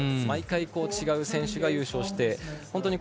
毎回、違う選手が優勝して。